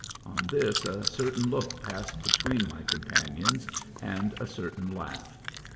On this a certain look passed between my companions, and a certain laugh.